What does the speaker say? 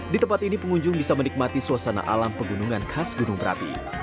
di tempat ini pengunjung bisa menikmati suasana alam pegunungan khas gunung berapi